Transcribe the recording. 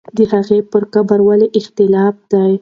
د هغې پر قبر ولې اختلاف دی؟